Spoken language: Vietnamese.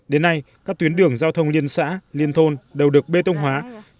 đến nay các tuyến đường giao thông liên xã liên thôn đều được bê tông hóa